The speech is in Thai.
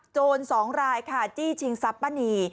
โจรสองรายจี้ชิงซับป้านี